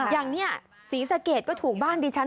อย่างนี้ศรีสะเกดก็ถูกบ้านดิฉัน